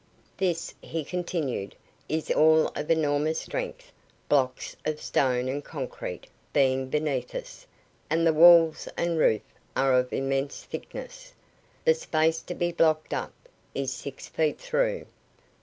This," he continued, "is all of enormous strength, blocks of stone and concrete being beneath us, and the walls and roof are of immense thickness. The space to be blocked up is six feet through."